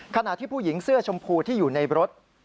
ขณะที่ผู้หญิงเสื้อชมพูที่อยู่ในรถ